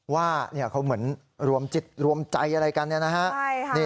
ว่าเขาเหมือนรวมจิตรวมใจอะไรกันเนี่ยนะฮะ